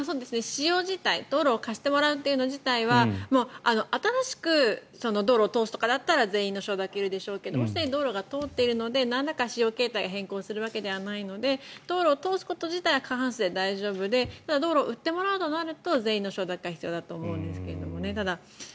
使用自体、道路を貸してもらうということ自体は新しく道路を通すとかだったら全員の承諾がいるでしょうがもし、すでに道路が通っているのでなんらか使用形態を変更するわけではなくて道路を通すこと自体は過半数で大丈夫で道路を売ってもらうとなると全員の承諾が必要だと思うんですけどね。